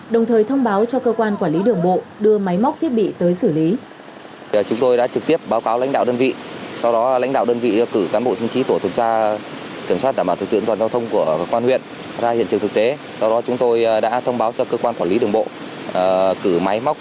đồng thời thông báo cho cơ quan quản lý đường bộ đưa máy móc thiết bị tới xử lý